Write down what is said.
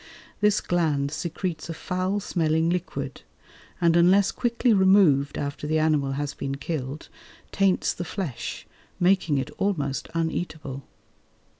This gland secretes a foul smelling liquid, and unless quickly removed after the animal has been killed, taints the flesh, making it almost uneatable.